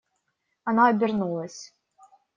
Она обернулась.